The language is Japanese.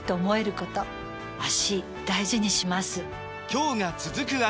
今日が、続く脚。